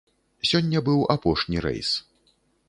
Сёння быў апошні рэйс.